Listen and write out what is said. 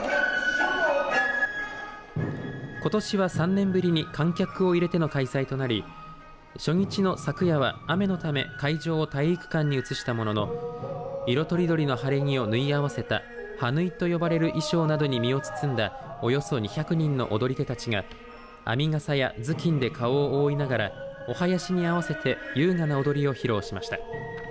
ことしは３年ぶりに観客を入れての開催となり初日の昨夜は雨のため会場を体育館に移したものの色とりどりのはぎれを縫い合わせた端縫いと呼ばれる衣装などを身を包んだおよそ２００人の踊り手たちが編みがさや、頭巾で顔を覆いながら、お囃子に合わせて優雅な踊りを披露しました。